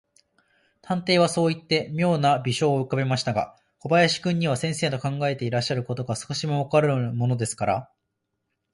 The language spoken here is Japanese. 探偵はそういって、みょうな微笑をうかべましたが、小林君には、先生の考えていらっしゃることが、少しもわからぬものですから、